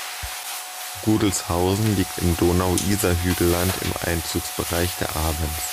Rudelzhausen liegt im Donau-Isar-Hügelland im Einzugsbereich der Abens.